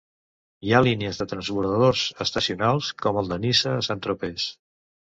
Hi ha línies de transbordadors estacionals com el de Niça a Saint-Tropez.